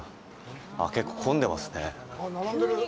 あっ、結構、混んでますね。